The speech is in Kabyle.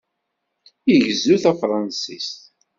Igezzu tafṛensist?